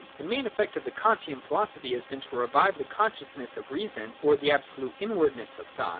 The main effect of the Kantian philosophy has been to revive the consciousness of Reason, or the absolute inwardness of thought.